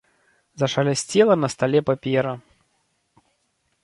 Зашалясцела на стале папера.